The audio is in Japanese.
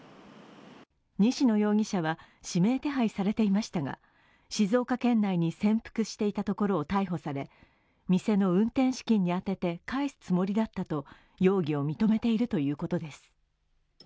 西野容疑者は、指名手配されていましたが、静岡県内に潜伏していたところを逮捕され、店の運転資金に充てて返すつもりだったと容疑を認めているということです。